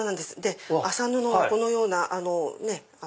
麻布はこのようなねっ。